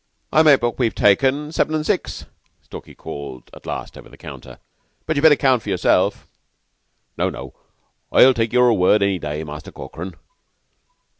"I make what we've taken seven and six," Stalky called at last over the counter; "but you'd better count for yourself." "No no. I'd take your word any day, Muster Corkran.